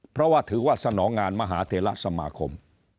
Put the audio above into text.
เพราะว่าถือว่าสนองงานมหาเทระสมาคม